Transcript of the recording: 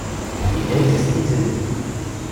Die ältesten sind